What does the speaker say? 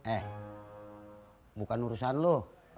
eh bukan urusan lu